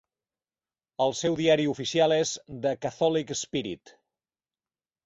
El seu diari oficial és "The Catholic Spirit".